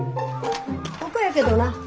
ここやけどな。